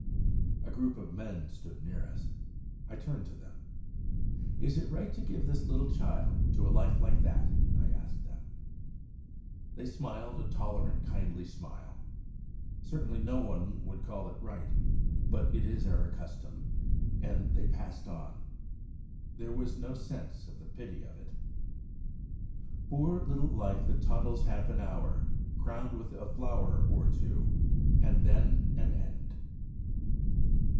A group of men stood near us. I turned to them. "Is it right to give this little child to a life like that?" I asked them then. They smiled a tolerant, kindly smile. "Certainly no one would call it right, but it is our custom," and they passed on. There was no sense of the pity of it: Poor little life that toddles half an hour, Crowned with a flower or two, and then an end!